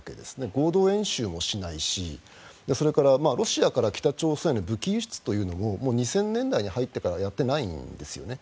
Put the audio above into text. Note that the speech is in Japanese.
合同演習もしないしそれからロシアから北朝鮮への武器輸出というのももう２０００年代に入ってからやっていないんですよね。